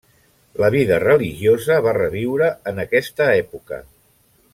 La vida religiosa va reviure en aquesta època.